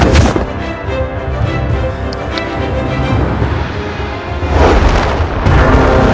tapi ini sudah sudah